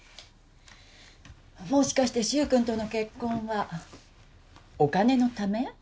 もしかして柊くんとの結婚はお金のため？